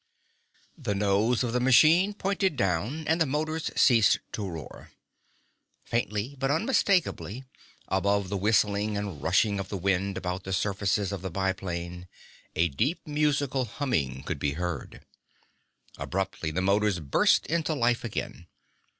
The nose of the machine pointed down and the motors ceased to roar. Faintly but unmistakably above the whistling and rushing of the wind about the surfaces of the biplane a deep, musical humming could be heard. Abruptly the motors burst into life again.